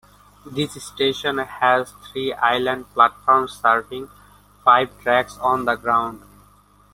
This station has three island platforms serving five tracks on the ground.